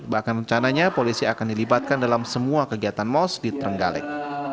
bahkan rencananya polisi akan dilibatkan dalam semua kegiatan mos di trenggalek